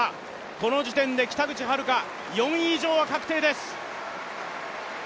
この時点で北口榛花、４位以上は確定です。